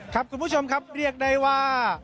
คุณผู้ชมครับเรียกได้ว่า